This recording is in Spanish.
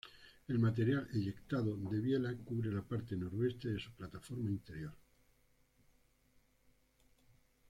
El material eyectado de Biela cubre la parte noroeste de su plataforma interior.